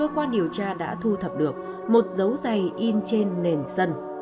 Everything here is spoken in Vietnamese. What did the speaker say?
qua điều tra đã thu thập được một dấu dày in trên nền sân